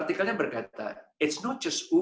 tentang uber mengambil alih industri